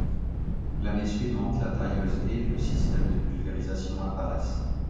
L'année suivante, la tailleuse et le système de pulvérisation apparaissent.